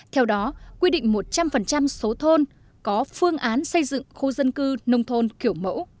theo đó quy định một trăm linh số thôn có phương án xây dựng khu dân cư nông thôn kiểu mẫu